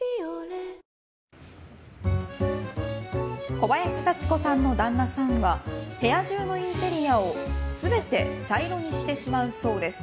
小林幸子さんの旦那さんは部屋中のインテリアを全て茶色にしてしまうそうです。